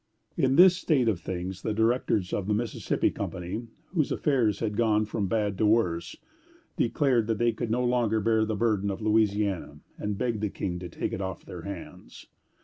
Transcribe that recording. In this state of things the directors of the Mississippi Company, whose affairs had gone from bad to worse, declared that they could no longer bear the burden of Louisiana, and begged the King to take it off their hands.